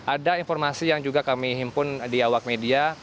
ada informasi yang juga kami himpun di awak media